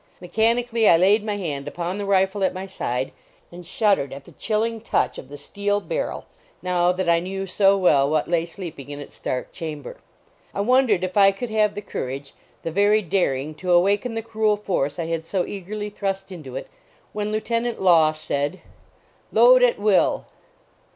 Mechanic ally I laid my hand upon the rifle at my side and shuddered at the chilling touch of the >kvl barrel, now that I knew so well what lay sleeping in its dark chamber. I wondered if I could have the courage, the very daring to awaken the cruel force I had so eagerly thrust into it when Lieutenant Law said, "Load at will."